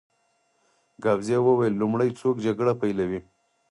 ګاووزي وویل: لومړی څوک جګړه پېلوي؟